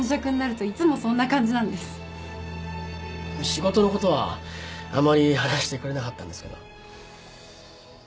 仕事のことはあまり話してくれなかったんですけど